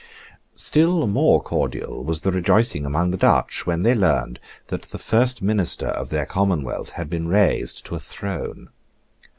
Still more cordial was the rejoicing among the Dutch, when they learned that the first minister of their Commonwealth had been raised to a throne.